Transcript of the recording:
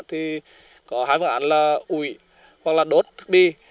thì có hai phương án là ủi hoặc là đốt thức đi